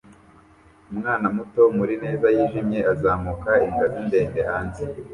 Umwana muto murinezayijimye azamuka ingazi ndende hanze